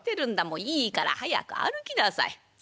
もういいから早く歩きなさい。